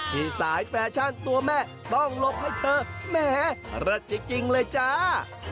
ที่สายแฟชั่นตัวแม่ต้องหลบให้เธอแหมเลิศจริงเลยจ้า